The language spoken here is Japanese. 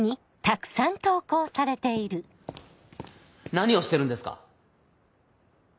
何をしてるんですか？